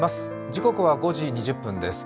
時刻は５時２０分です。